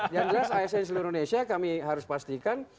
yang jelas asn seluruh indonesia kami harus pastikan